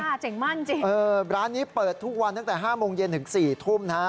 อ่าเจ๋งมากจริงร้านนี้เปิดทุกวันตั้งแต่๕โมงเย็นถึง๔ทุ่มนะ